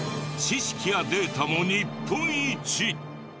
知識やデータも日本一。